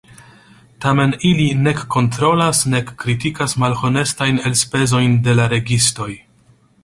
Tamen ili nek kontrolas nek kritikas malhonestajn elspezojn de la registoj.